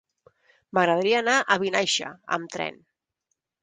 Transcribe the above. M'agradaria anar a Vinaixa amb tren.